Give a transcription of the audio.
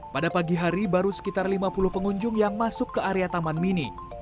pada pagi hari baru sekitar lima puluh pengunjung yang masuk ke area taman mini